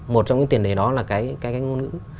một trong những tiền đề đó là cái ngôn ngữ